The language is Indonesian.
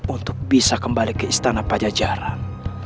untuk bisa kembali ke istana pajajaran